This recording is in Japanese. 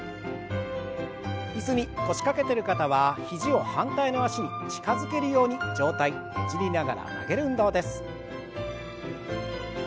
椅子に腰掛けてる方は肘を反対の脚に近づけるように上体ねじりながら曲げる運動です。